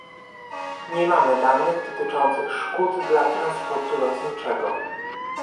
Nie mamy danych dotyczących szkód dla transportu lotniczego